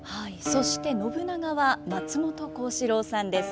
そして信長は松本幸四郎さんです。